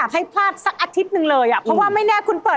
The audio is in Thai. ไทรัตทีวี